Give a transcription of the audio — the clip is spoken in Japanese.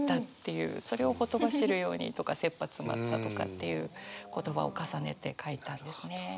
それを「ほとばしるように」とか「切羽詰まった」とかっていう言葉を重ねて書いたんですね。